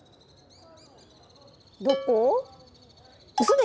どこ？